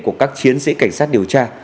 của các chiến sĩ cảnh sát điều tra